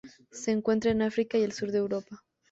Se encuentra en África y el sur de Europa.